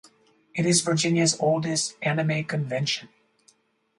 It is Virginia's oldest anime convention.